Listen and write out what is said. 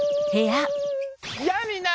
やあみんな！